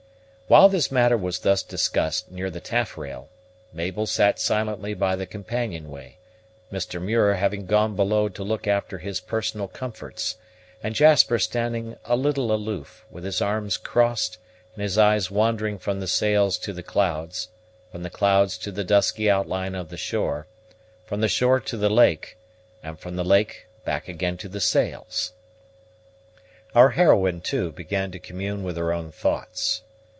While this matter was thus discussed near the taffrail, Mabel sat silently by the companion way, Mr. Muir having gone below to look after his personal comforts, and Jasper standing a little aloof, with his arms crossed, and his eyes wandering from the sails to the clouds, from the clouds to the dusky outline of the shore, from the shore to the lake, and from the lake back again to the sails. Our heroine, too, began to commune with her own thoughts.